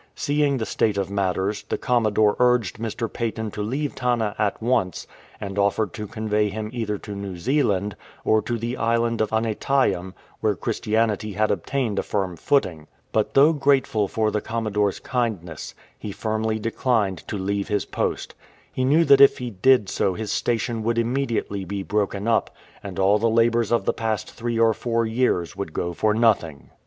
Seeing the state of matters, the Commodore urged Mr. Paton to leave Tanna at once, and offered to convey him either to New Zealand, or to the island of Aneityum, where Christianity had obtained a firm footing. But though grateful for the Commodore'^s kindness, he firmly declined 329 H.M.S. "PELORUS" to leave his post. He knew that if he did so his station would immediately be broken up, and all the labours of the past three or four years would go for nothing.